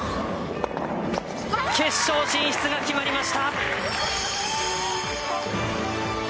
決勝進出が決まりました！